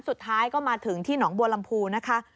สุดท้ายก็มาถึงที่หนองบัวลำพูนะคะ